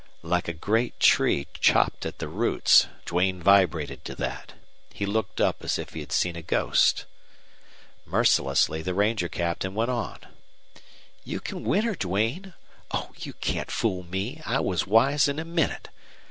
Like a great tree chopped at the roots Duane vibrated to that. He looked up as if he had seen a ghost. Mercilessly the ranger captain went on: "You can win her, Duane! Oh, you can't fool me. I was wise in a minute.